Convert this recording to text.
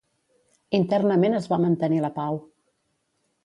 Internament es va mantenir la pau.